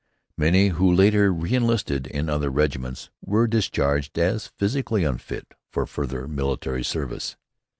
Many, who later reënlisted in other regiments, were discharged as "physically unfit for further military service."